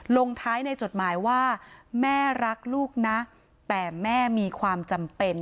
ลงท้ายในจดหมายว่าแม่รักลูกนะแต่แม่มีความจำเป็น